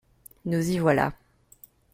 Nous y voilà